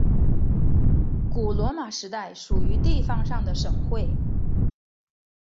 古罗马时代属于地方上的省会。